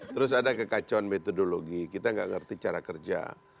terus ada kekacauan metodologi kita gak ngerti cara kerja